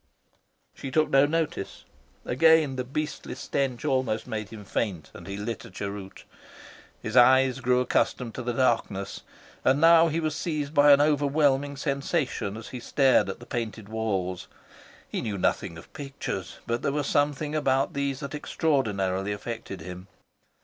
She took no notice. Again the beastly stench almost made him faint, and he lit a cheroot. His eyes grew accustomed to the darkness, and now he was seized by an overwhelming sensation as he stared at the painted walls. He knew nothing of pictures, but there was something about these that extraordinarily affected him.